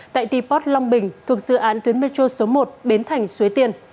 tại deport long bình thuộc dự án tuyến metro số một bến thành suế tiên